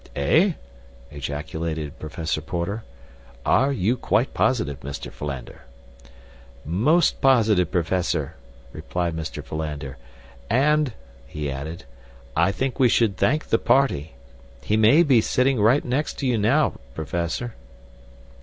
"Eh?" ejaculated Professor Porter. "Are you quite positive, Mr. Philander?" "Most positive, Professor," replied Mr. Philander, "and," he added, "I think we should thank the party. He may be sitting right next to you now, Professor."